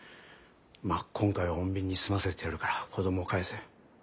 まあ今回は穏便に済ませてやるから子どもを返せ。